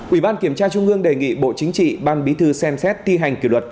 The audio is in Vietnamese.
ủy ban kiểm tra trung ương đề nghị bộ chính trị ban bí thư xem xét thi hành kỷ luật